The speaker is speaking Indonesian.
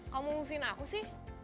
kamu ngurusin aku sih